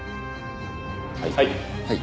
はい。